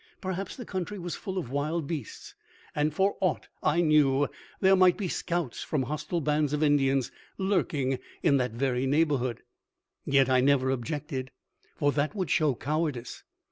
Perhaps the country was full of wild beasts, and, for aught I knew, there might be scouts from hostile bands of Indians lurking in that very neighborhood. Yet I never objected, for that would show cowardice.